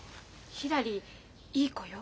ひらりいい子よ。